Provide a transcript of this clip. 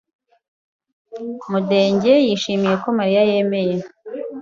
Mudenge yishimiye ko Mariya yemeye.